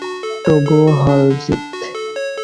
তবু হল জিত।